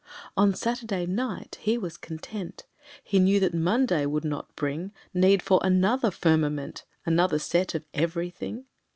On Saturday night He was content, He knew that Monday would not bring Need for another firmament, Another set of everything.